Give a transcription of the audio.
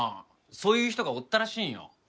そういう人がおったらしいんよ。